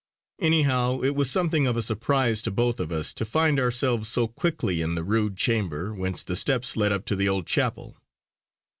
Anyhow, it was something of a surprise to both of us to find ourselves so quickly in the rude chamber whence the steps led up to the old chapel.